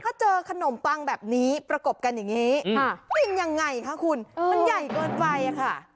ถ้าเจอขนมปังแบบนี้ประกบกันอย่างนี้กินยังไงคะคุณมันใหญ่เกินไปค่ะ